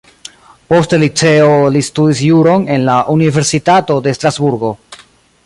Poste liceo li studis juron en la universitato de Strasburgo.